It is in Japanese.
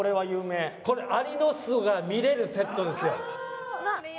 アリの巣が見れるセットですよ。